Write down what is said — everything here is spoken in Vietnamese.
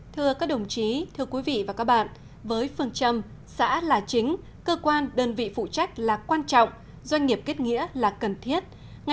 thưa các đồng chí thưa quý vị và các bạn với phương châm xã là chính cơ quan đơn vị phụ trách là quan trọng doanh nghiệp kết nghĩa là cần thiết